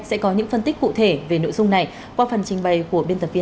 sẽ có những phân tích cụ thể về nội dung này qua phần trình bày của bntv